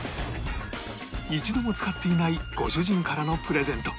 一度も使っていないご主人からのプレゼント